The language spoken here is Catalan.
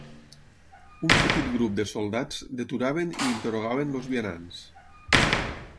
Un petit grup de soldats deturaven i interrogaven els vianants.